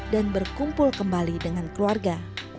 dan berkumpul kembali dengan keluarga